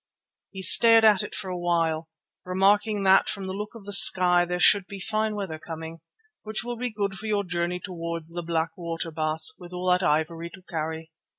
He stared at it for a while, remarking that from the look of the sky there should be fine weather coming, "which will be good for your journey towards the Black Water, Baas, with all that ivory to carry."